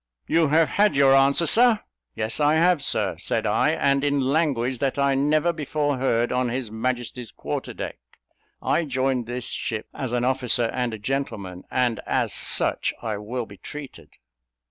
"You have had your answer, Sir." "Yes, I have, Sir," said I, "and in language that I never before heard on his Majesty's quarter deck. I joined this ship as an officer and a gentleman, and as such I will be treated."